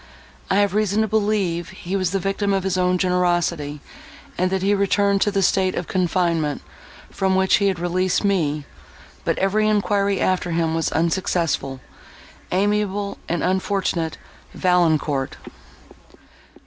I have reason to believe he was the victim of his own generosity, and that he returned to the state of confinement, from which he had released me; but every enquiry after him was unsuccessful. Amiable and unfortunate Valancourt!"